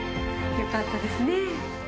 よかったですね。